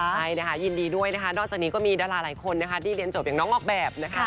ใช่นะคะยินดีด้วยนะคะนอกจากนี้ก็มีดาราหลายคนนะคะที่เรียนจบอย่างน้องออกแบบนะคะ